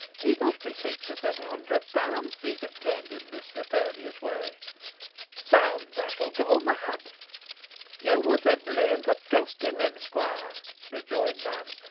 It must be six or seven hundred pounds that he has obtained in this nefarious way. Zounds! I shall go mad." "Yo wur to blame fo' trustin him, squoire," rejoined Nance.